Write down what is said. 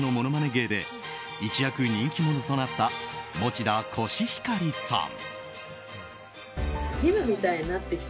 芸で一躍人気者となった餅田コシヒカリさん。